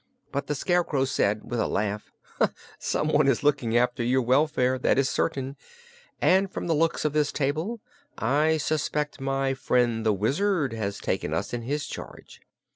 But the Scarecrow said with a laugh: "Someone is looking after your welfare, that is certain, and from the looks of this table I suspect my friend the Wizard has taken us in his charge.